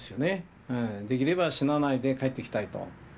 できれば死なないで帰ってきたいと。